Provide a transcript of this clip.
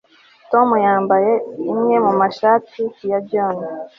Tom yambaye imwe mu mashati ya John